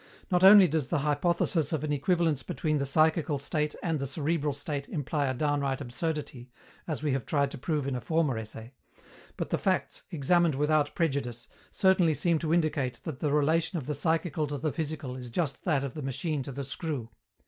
Not only does the hypothesis of an equivalence between the psychical state and the cerebral state imply a downright absurdity, as we have tried to prove in a former essay, but the facts, examined without prejudice, certainly seem to indicate that the relation of the psychical to the physical is just that of the machine to the screw.